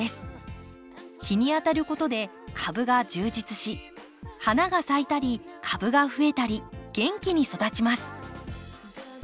日に当たることで株が充実し花が咲いたり株が増えたり元気に育ちます。